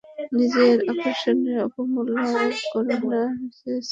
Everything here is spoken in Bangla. নিজের আকর্ষণের অবমূল্যায়ন কোরো না, মিসেস সেবাস্টিয়ান।